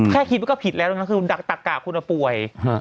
แค่คิดมันก็ผิดแล้วนั่นคือดักกะคุณผู้ป่วย